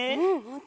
うん！